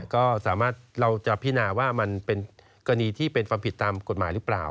ก็สามารถเราจะพินาว่ามันเป็นกรณีที่เป็นความผิดตามกฎหมายหรือเปล่า